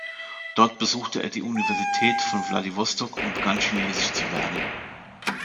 Dort besuchte er die Universität von Wladiwostok und begann Chinesisch zu lernen.